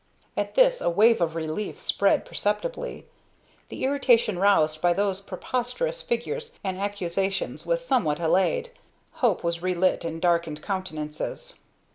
At this a wave of relief spread perceptibly. The irritation roused by those preposterous figures and accusations was somewhat allayed. Hope was relit in darkened countenances.